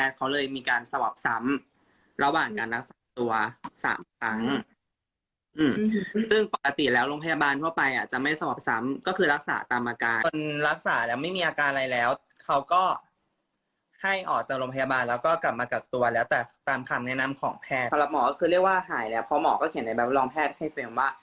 สำหรับหมอก็คือเรียกว่าหายแล้วเพราะหมอก็เขียนในแบบโรงแพทย์ให้เฟรมว่า